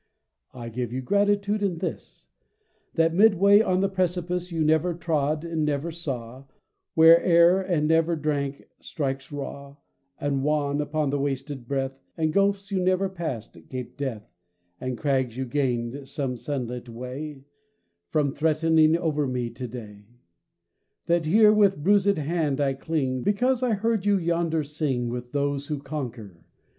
I give you gratitude in this: That, midway on the precipice You never trod and never saw, Where air you never drank, strikes raw And wan upon the wasted breath, And gulfs you never passed, gape death, And crags you gained some sunlit way Frown threatening over me to day, That here with bruisèd hand I cling, Because I heard you yonder sing With those who conquer.